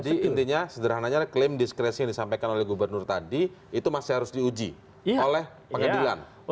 jadi intinya sederhananya klaim diskresi yang disampaikan oleh gubernur tadi itu masih harus diuji oleh pengadilan